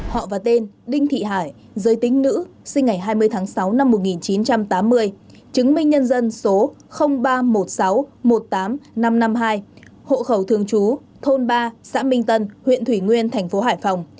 họ và tên đinh thị hải giới tính nữ sinh ngày hai mươi tháng sáu năm một nghìn chín trăm tám mươi chứng minh nhân dân số ba một sáu một tám năm năm hai hộ khẩu thường trú thôn ba xã minh tân huyện thủy nguyên tp hcm